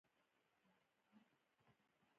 دا د صلبیې لاندې واقع ده.